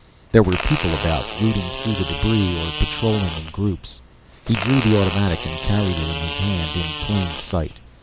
There were people about, rooting through the debris, or patrolling in groups. He drew the automatic and carried it in his hand, in plain sight.